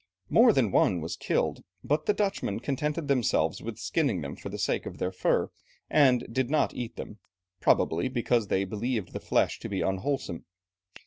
More than one was killed, but the Dutchmen contented themselves with skinning them for the sake of their fur, and did not eat them, probably because they believed the flesh to be unwholesome.